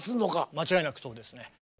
間違いなくそうですね。